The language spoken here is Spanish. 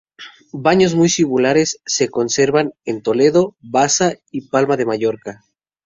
Baños muy similares se conservan en Toledo, Baza y Palma de Mallorca.